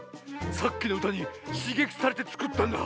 さっきのうたにしげきされてつくったんだ。